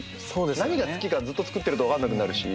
何が好きかずっと作ってると分かんなくなるし。